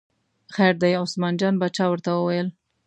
خیر دی، عثمان جان باچا ورته وویل.